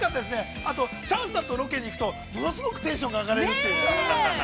あとチャンさんのロケに行くと、物すごくテンションが上がるという。